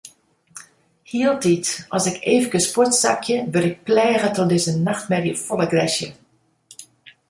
Hieltyd as ik eefkes fuortsakje, wurd ik pleage troch dizze nachtmerje fol agresje.